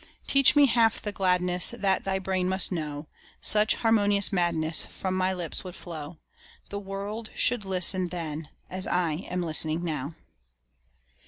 Teach me half the gladness That thy brain must know; Such harmonious madness From my lips would flow The world should listen then as I am listening now!